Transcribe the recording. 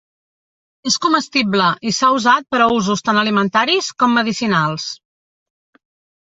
És comestible, i s'ha usat per a usos tant alimentaris com medicinals.